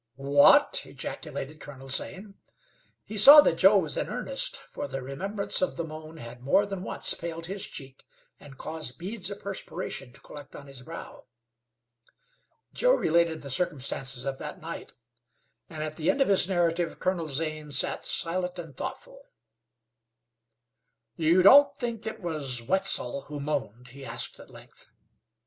"What!" ejaculated Colonel Zane. He saw that Joe was in earnest, for the remembrance of the moan had more than once paled his cheek and caused beads of perspiration to collect on his brow. Joe related the circumstances of that night, and at the end of his narrative Colonel Zane sat silent and thoughtful. "You don't really think it was Wetzel who moaned?" he asked, at length.